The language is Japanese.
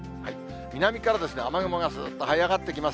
南から雨雲がすっとはい上がってきます。